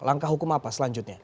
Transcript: langkah hukum apa selanjutnya